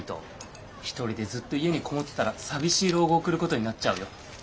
一人でずっと家に籠もってたら寂しい老後を送ることになっちゃうよ。